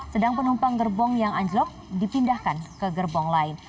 sedang penumpang gerbong yang anjlok dipindahkan ke gerbong lain